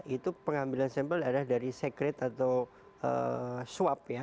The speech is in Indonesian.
itu pengambilan sampel dari sekret atau swab ya